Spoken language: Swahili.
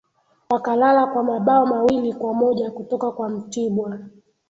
wakalala kwa mabao mawili kwa moja kutoka kwa mtibwa